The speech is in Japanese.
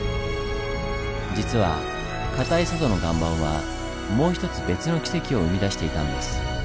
実はかたい佐渡の岩盤はもうひとつ別のキセキを生み出していたんです。